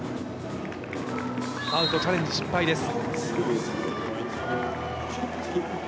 アウト、チャレンジ失敗です。